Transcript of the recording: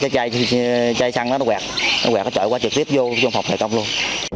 cái chai xăng nó quẹt nó quẹt nó trội qua trực tiếp vô trong phòng tài công luôn